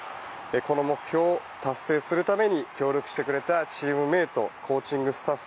この目標を達成するために協力してくれたチームメートコーチングスタッフ